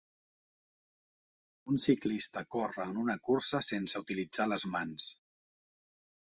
Un ciclista corre en una cursa sense utilitzar les mans.